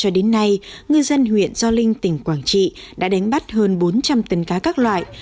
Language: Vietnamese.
cho đến nay ngư dân huyện gio linh tỉnh quảng trị đã đánh bắt hơn bốn trăm linh tấn cá các loại